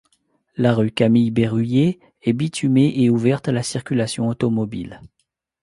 La rue Camille-Berruyer est bitumée et ouverte à la circulation automobile.